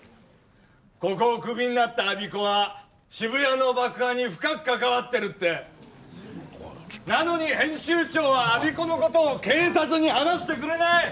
ここをクビになった我孫子は渋谷の爆破に深く関わってるっておいちょっとなのに編集長は我孫子のことを警察に話してくれない！